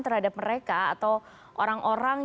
terhadap mereka atau orang orang